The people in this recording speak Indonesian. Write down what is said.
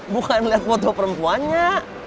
bukan liat foto perempuannya